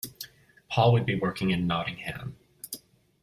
Paul would be working in Nottingham.